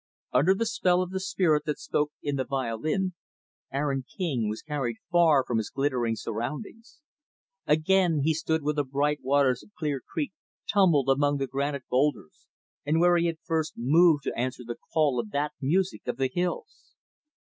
Under the spell of the spirit that spoke in the violin, Aaron King was carried far from his glittering surroundings. Again, he stood where the bright waters of Clear Creek tumbled among the granite boulders, and where he had first moved to answer the call of that music of the hills.